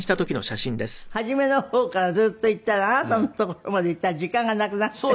それでね初めの方からずっといったらあなたの所までいったら時間がなくなって。